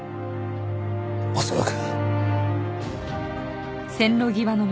恐らく。